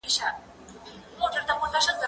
زه به سبا تمرين کوم؟!